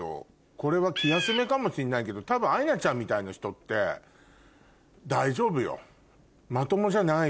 これは気休めかもしんないけど多分アイナちゃんみたいな人って大丈夫よ。